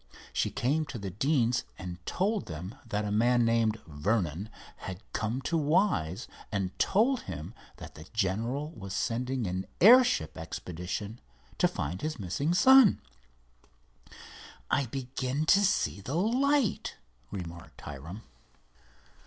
She came to the Deanes and told them that a man named Vernon had come to Wise and told him that the general was sending an airship expedition to find his missing son." "I begin to see the light," remarked Hiram.